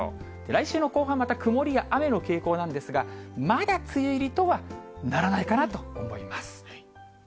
来週の後半、また曇りや雨の傾向なんですが、まだ梅雨入りとはならないかなと思います。